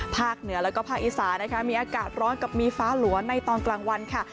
เหนือแล้วก็ภาคอีสานนะคะมีอากาศร้อนกับมีฟ้าหลัวในตอนกลางวันค่ะ